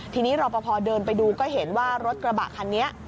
ทีนี้รอปภเดินไปดูก็เห็นว่ารถกระบะคันนี้